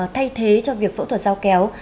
thay thế cho việc phẫu thuật dao kéo